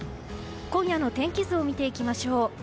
今夜の天気図を見ていきましょう。